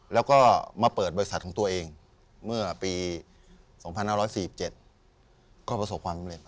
แล้วก็มาเปิดบริษัทของตัวเองเมื่อปี๒๕๔๗ก็ประสบความสำเร็จ